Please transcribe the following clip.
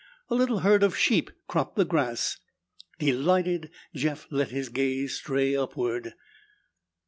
A little herd of sheep cropped the grass. Delighted, Jeff let his gaze stray upward.